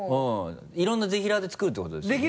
いろんなぜひらーで作るってことですよね？